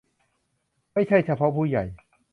ไม่ใช่เฉพาะผู้ใหญ่